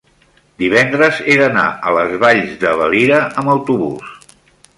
divendres he d'anar a les Valls de Valira amb autobús.